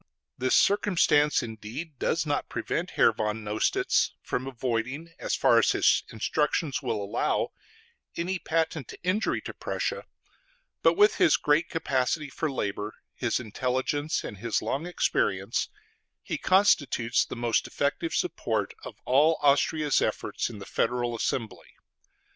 This circumstance indeed does not prevent Herr von Nostitz from avoiding, as far as his instructions will allow, any patent injury to Prussia; but with his great capacity for labor, his intelligence, and his long experience, he constitutes the most effective support of all Austria's efforts in the federal assembly.